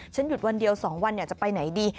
หยุดวันเดียว๒วันอยากจะไปไหนดี